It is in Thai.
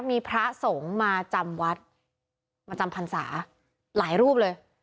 มีพระสงฆ์มาจำวัดมาจำพรรษาหลายรูปเลย